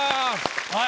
はい。